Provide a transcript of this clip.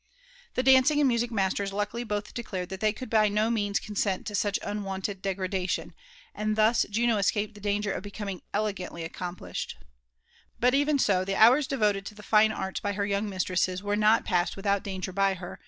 The dancing aDdimueic masters luckily Uotfl dledai^' that they could' by no mean» oenaent to such unwonted' degradation ; and thus Juno escaped the dangev of becoming elegantly msciompliBhed/^ BM eren so> the hours demoted to the fine arts by Her yottDg[ mistti^essed wero not passed^ without danger by her?